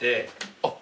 あっ。